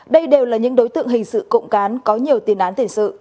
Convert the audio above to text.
đây đều là những đối tượng hình sự cộng cán có nhiều tiền án tiền sự